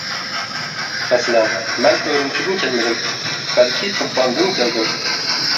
مەسىلەن: مەن ئۈرۈمچىدىن كەلمىدىم، بەلكى، تۇرپاندىن كەلدىم.